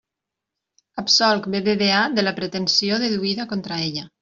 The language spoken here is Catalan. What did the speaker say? Absolc BBVA de la pretensió deduïda contra ella.